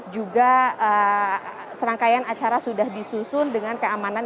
juga serangkaian acara sudah disusun dengan keamanan